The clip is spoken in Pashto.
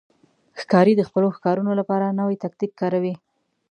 ښکاري د خپلو ښکارونو لپاره نوی تاکتیک کاروي.